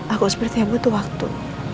aku sepertinya butuh waktu